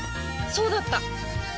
そうだった！